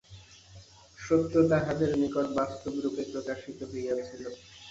সত্য তাঁহাদের নিকট বাস্তবরূপে প্রকাশিত হইয়াছিল।